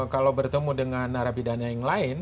kalau bertemu dengan narapidana yang lain